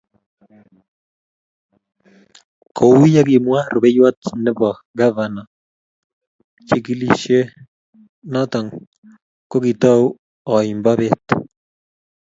Kou ye kimwa rubeiwot ne bo kvana, chikilishe noto ko kitou oimbeet.